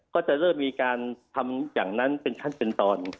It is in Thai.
ก็จะเริ่มมีการทำอย่างนั้นเป็นขั้นเป็นตอน